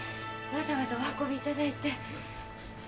わざわざお運び頂いて。